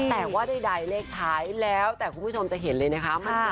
แต่ว่าใดเลขท้ายแล้วแต่คุณผู้ชมจะเห็นเลยนะคะ